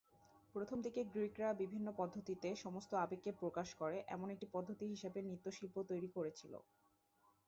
প্রথমদিকে গ্রীকরা বিভিন্ন পদ্ধতিতে সমস্ত আবেগকে প্রকাশ করে এমন একটি পদ্ধতি হিসাবে নৃত্য শিল্প তৈরি করেছিল।